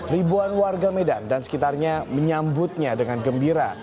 ribuan warga medan dan sekitarnya menyambutnya dengan gembira